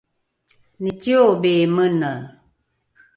niciobi mene